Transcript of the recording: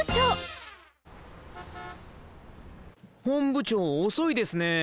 本部長遅いですね。